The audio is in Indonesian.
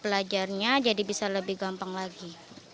belajarnya jadi bisa lebih gampang lagi